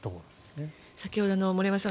先ほどの森山さん